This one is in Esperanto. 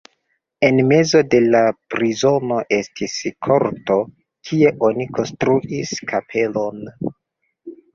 En mezo de la prizono estis korto, kie oni konstruis kapelon.